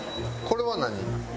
これは何？